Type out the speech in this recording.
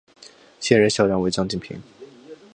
现任校长为张晋平。